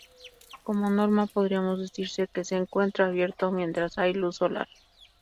Como norma, podríamos decirse que se encuentra abierto mientras hay luz solar.